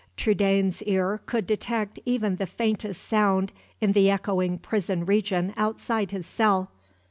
Trudaine's ear could detect even the faintest sound in the echoing prison region outside his cell.